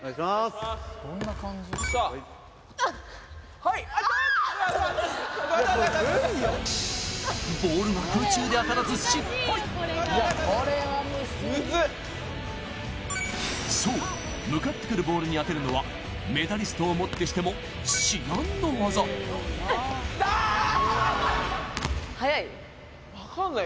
はいあーっそう向かってくるボールに当てるのはメダリストを持ってしても至難の業分かんない